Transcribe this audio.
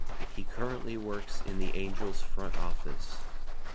He currently works in the Angels' front office.